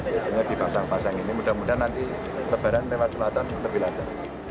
sehingga dipasang pasang ini mudah mudahan nanti lebaran lewat selatan lebih lancar